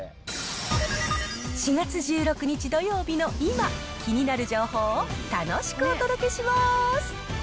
４月１６日土曜日の今、気になる情報をたのしくおとどけします。